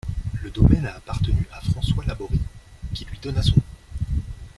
Le domaine a appartenu à Francois Labory, qui lui donna son nom.